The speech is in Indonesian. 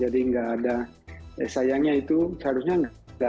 jadi nggak ada sayangnya itu seharusnya nggak